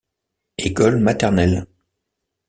École maternelle.